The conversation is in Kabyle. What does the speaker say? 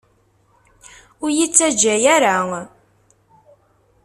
Ur iyi-ttajja ara!